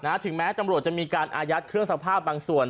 นะฮะถึงแม้จำรวจจะมีการอายัดเครื่องสักผ้าบางส่วน